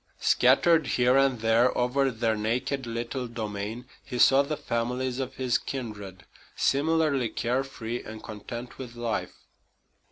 Scattered here and there over their naked little domain he saw the families of his kindred, similarly care free and content with life.